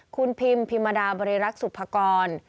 คุณพิมพิมดาบริรักษ์สุภกร